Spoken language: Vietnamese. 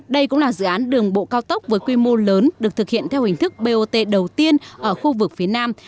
đây cũng là dự án đường bộ cao tốc với quy mô lớn được thực hiện theo hình thức bot đầu tiên ở khu vực phía nam